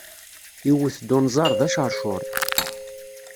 Iwet-d unẓar d aceṛcuṛ.